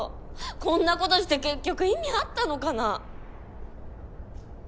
こんなことして結局意味あったのかな？